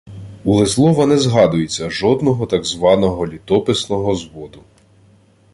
У Лизлова не згадується жодного так званого «літописного зводу»